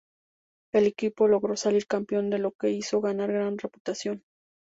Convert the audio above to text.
El equipo logró salir campeón, lo que le hizo ganar gran reputación.